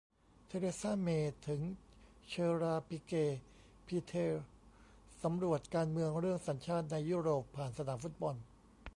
เทเรซา เมย์ถึงเฌอราร์ ปิเก พีเทอร์ สำรวจการเมืองเรื่อง"สัญชาติ"ในยุโรปผ่านสนามฟุตบอล